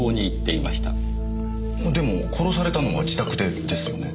でも殺されたのは自宅でですよね？